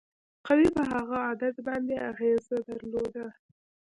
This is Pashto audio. قوې په هغه عدد باندې اغیزه درلوده.